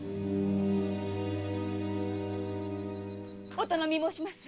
お頼み申します。